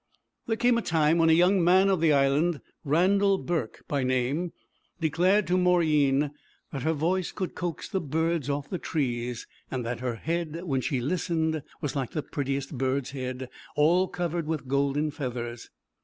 There came a time when a young man of the Island, Randal Burke by name, declared to Mauryeen that her voice could coax the birds off the trees, and that her head when she listened was like the prettiest bird's head, all covered with golden feathers.